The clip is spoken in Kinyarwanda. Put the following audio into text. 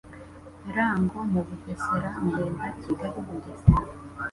Rango mu Bugesera Ngenda Kigali Bugesera